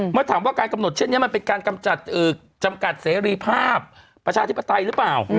เมื่อถามว่าการกำหนดเช่นนี้มันเป็นการกำจัดจำกัดเสรีภาพประชาธิปไตยหรือเปล่า